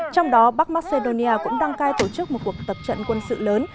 trong đó bắc macedonia cũng đăng cai tổ chức một cuộc tập trận quân sự lớn